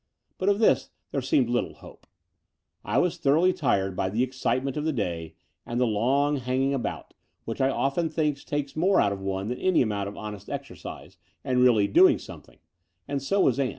But of this there seemed little hope. I was thoroughly tired by the excitement of the day and the long hanging about, which I often think takes more out of one than any amount of honest exercise and really doing something ; and so was Ann.